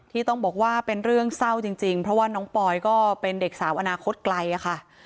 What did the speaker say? ที่ต้องบอกว่าเป็นเรื่องเศร้าจริงเพราะว่าน้องปอยก็เป็นเด็กสาวอนาคตไกลค่ะ